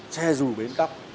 xe dù bến cấp